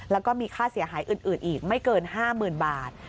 แล้วก็มีค่าเสียหายอื่นอีกไม่เกิน๕๐๐๐บาท